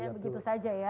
jadi tidak begitu saja ya